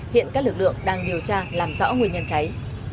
hiện các lực lượng đang điều tra làm rõ nguyên nhân cháy